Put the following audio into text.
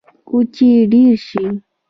کوچي ډیر شي